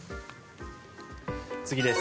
次です。